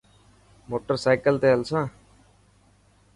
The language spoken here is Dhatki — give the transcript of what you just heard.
موٽر سائيڪل تي هلسان.